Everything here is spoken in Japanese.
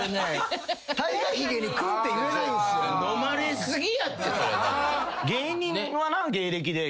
のまれ過ぎやって。